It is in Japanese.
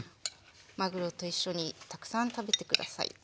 まぐろと一緒にたくさん食べて下さい。